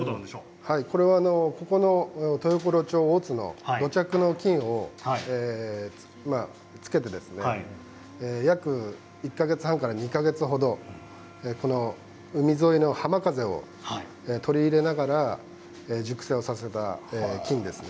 これは豊頃町の土着の菌を使って、つけて約１か月半から２か月程海沿いの浜風を取り入れながら熟成をさせた菌ですね。